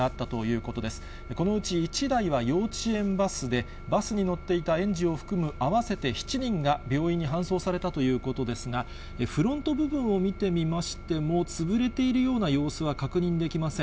このうち１台は幼稚園バスで、バスに乗っていた園児を含む合わせて７人が、病院に搬送されたということですが、フロント部分を見てみましても、潰れているような様子は確認できません。